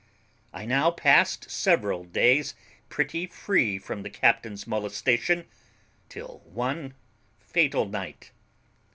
"I now passed several days pretty free from the captain's molestation, till one fatal night."